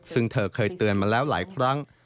ซึ่งเธอเคยเตือนมาแล้วหลายครั้ง